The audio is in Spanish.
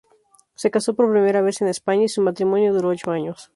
Se casó por primera vez en España, y su matrimonio duró ocho años.